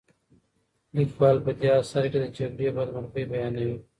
لیکوال په دې اثر کې د جګړې بدمرغۍ بیانوي.